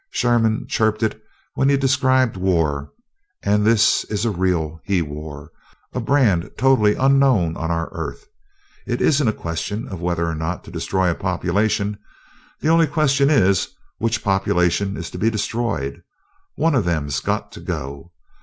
Sherman chirped it when he described war and this is a real he war; a brand totally unknown on our Earth. It isn't a question of whether or not to destroy a population the only question is which population is to be destroyed. One of them's got to go.